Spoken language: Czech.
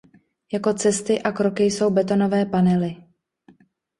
Jako cesty a kroky jsou betonové panely.